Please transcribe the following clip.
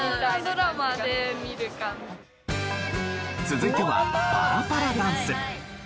続いてはパラパラダンス。